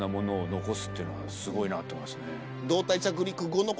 すごいなと思いますね。